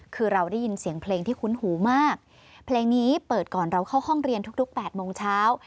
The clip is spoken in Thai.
คือเราได้ยินเสียงเพลงที่คุ้นหูมากเพลงนี้เปิดก่อนเราเข้าห้องเรียนทุก๘โมงเช้า